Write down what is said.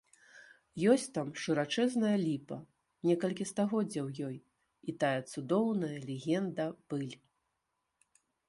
Ёсць там шырачэзная ліпа, некалькі стагоддзяў ёй, і тая цудоўная легенда-быль.